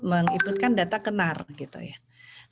mengikutkan data kementerian